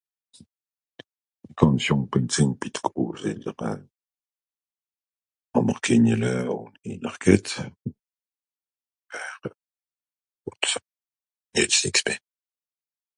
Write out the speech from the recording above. gànz jùng bìn gsìn bì de grosseltere hàmm'r keniele ... g'hett euh ... jetz nix meh